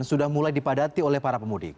sudah mulai dipadati oleh para pemudik